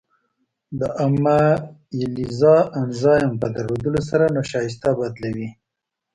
د امایلیز انزایم په درلودو سره نشایسته بدلوي.